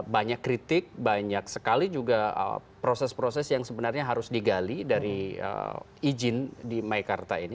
banyak kritik banyak sekali juga proses proses yang sebenarnya harus digali dari izin di meikarta ini